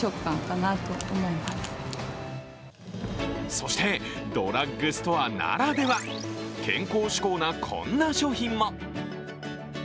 そしてドラッグストアならでは、健康志向なこんな商品も。